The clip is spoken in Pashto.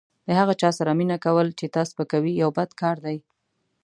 د هغه چا سره مینه کول چې تا سپکوي یو بد کار دی.